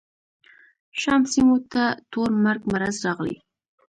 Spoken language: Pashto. شام سیمو ته تور مرګ مرض راغلی.